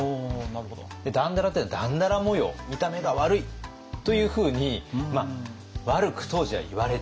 「だんだら」というのはだんだら模様見た目が悪いというふうにまあ悪く当時はいわれていた。